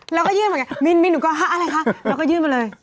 แล้วก็ยื่นเหมือนกันมินหนูก็อะไรคะแล้วก็ยื่นมาเลย